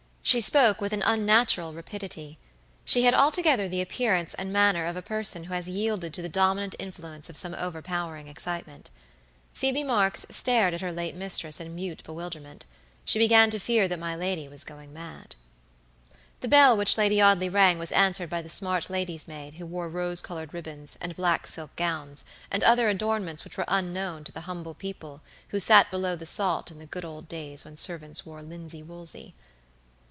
She spoke with an unnatural rapidity. She had altogether the appearance and manner of a person who has yielded to the dominant influence of some overpowering excitement. Phoebe Marks stared at her late mistress in mute bewilderment. She began to fear that my lady was going mad. The bell which Lady Audley rang was answered by the smart lady's maid who wore rose colored ribbons, and black silk gowns, and other adornments which were unknown to the humble people who sat below the salt in the good old days when servants wore linsey woolsey.